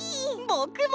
ぼくも！